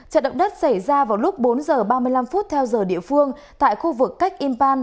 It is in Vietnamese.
trận động đất xảy ra vào lúc bốn h ba mươi năm phút theo giờ địa phương tại khu vực cách impan